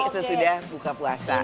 nanti sesudah buka puasa